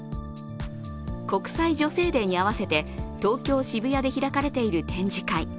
国際女性デーに合わせて東京・渋谷で開かれている展示会。